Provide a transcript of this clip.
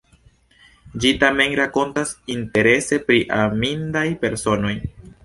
Ĝi tamen rakontas interese pri amindaj personoj.